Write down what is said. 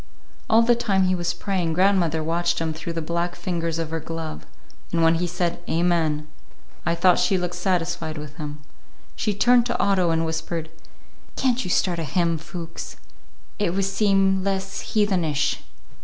All the time he was praying, grandmother watched him through the black fingers of her glove, and when he said "Amen," I thought she looked satisfied with him. She turned to Otto and whispered, "Can't you start a hymn, Fuchs? It would seem less heathenish."